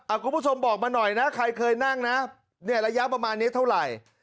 คุณผู้ชมบอกมาหน่อยนะใครเคยนั่งนะเนี่ยระยะประมาณนี้เท่าไหร่